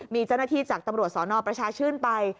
มีเจ้าหน้าที่จากตำรวจสนประชาชื่นไป